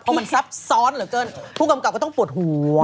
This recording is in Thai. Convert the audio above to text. มันซับซ้อนเหลือเกินผู้กำกับก็ต้องปวดหัว